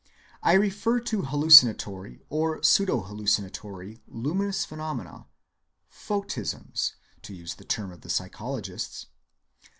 I refer to hallucinatory or pseudo‐ hallucinatory luminous phenomena, photisms, to use the term of the psychologists.